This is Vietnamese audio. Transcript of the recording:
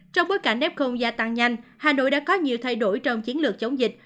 trong bối cảnh f gia tăng nhanh hà nội đã có nhiều thay đổi trong chiến lược chống dịch